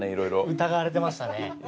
疑われてましたね。